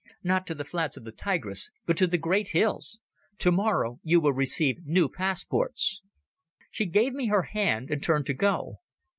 Not to the flats of the Tigris, but to the great hills. Tomorrow you will receive new passports." She gave me her hand and turned to go.